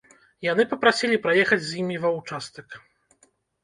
Яны папрасілі праехаць з імі ва участак.